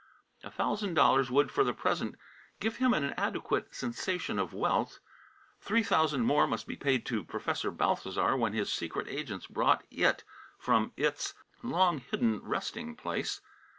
A thousand dollars would, for the present, give him an adequate sensation of wealth. Three thousand more must be paid to Professor Balthasar when his secret agents brought It from Its long hidden resting place.